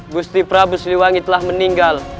gusti prabu siliwangi telah meninggal